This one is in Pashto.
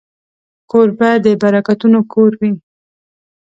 کوربه د برکتونو کور وي.